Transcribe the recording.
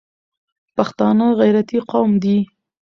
پښتانه غیرتي قوم دي